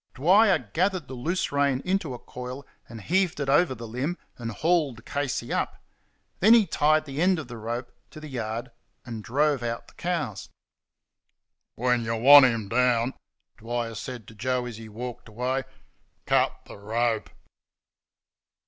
Dwyer gathered the loose rein into a coil and heaved it over the limb, and hauled Casey up. Then he tied the end of the rope to the yard and drove out the cows. "When y' want 'im down," Dwyer said to Joe as he walked away, "cut the rope."